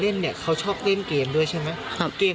แต่ก็เหมือนกับว่าจะไปดูของเพื่อนแล้วก็ค่อยทำส่งครูลักษณะประมาณนี้นะคะ